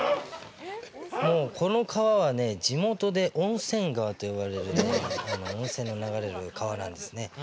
この川は地元で温泉川と呼ばれる温泉の流れる川なんですね。